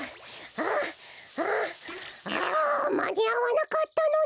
あまにあわなかったのね。